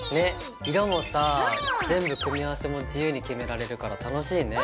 色もさ全部組み合わせも自由に決められるから楽しいね。